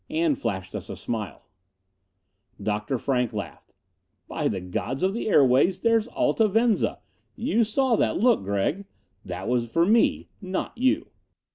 And flashed us a smile. Dr. Frank laughed. "By the gods of the airways, there's Alta Venza! You saw that look, Gregg? That was for me, not you."